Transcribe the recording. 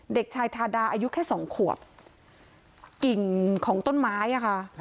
เด็กชายทาดาอายุแค่สองขวบกิ่งของต้นไม้อะค่ะ